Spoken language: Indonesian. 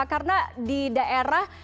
karena di daerah